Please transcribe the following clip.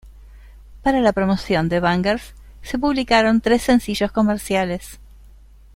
Para la promoción de "Bangerz", se publicaron tres sencillos comerciales.